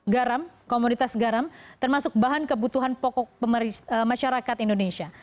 garam komoditas garam termasuk bahan kebutuhan pokok masyarakat indonesia